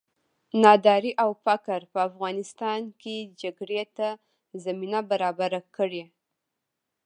ناداري او فقر په افغانستان کې جګړې ته زمینه برابره کړې.